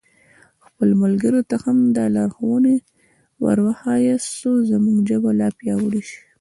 خپلو ملګرو ته هم دا لارښوونې ور وښیاست څو زموږ ژبه لا پیاوړې شي.